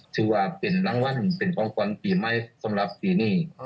ถือว่าเป็นลังวัลเป็นประวัติภัณฑ์ปีใหม่สำหรับปีนี้